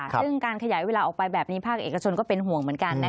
ซึ่งการขยายเวลาออกไปแบบนี้ภาคเอกชนก็เป็นห่วงเหมือนกัน